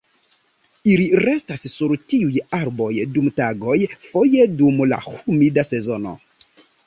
Ili restas sur tiuj arboj dum tagoj foje dum la humida sezono.